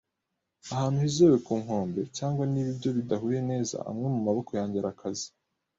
ahantu hizewe ku nkombe. Cyangwa niba ibyo bidahuye neza, amwe mumaboko yanjye arakaze